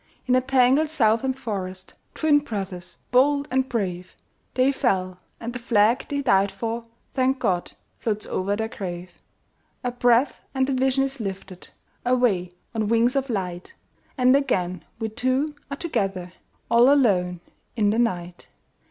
In a tangled Southern forest, Twin brothers bold and brave, They fell; and the flag they died for, Thank God! floats over their grave. A breath, and the vision is lifted Away on wings of light, And again we two are together, All alone in the night.